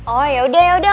oh yaudah yaudah